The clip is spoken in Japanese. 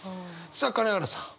さあ金原さん。